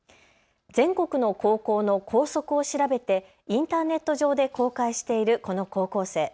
全国の高校の校則を調べてインターネット上で公開しているこの高校生。